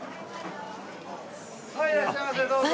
はいいらっしゃいませどうぞ。